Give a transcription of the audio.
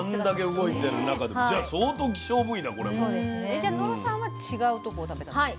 じゃあ野呂さんは違うところを食べたんですか？